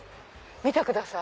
見てください。